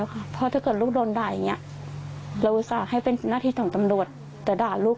ก็มีเด็กที่พูดกันว่าเปิดหนังเอ็กซ์ให้ดู